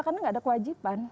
karena gak ada kewajiban